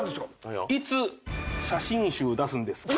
いつ写真集出すんですか？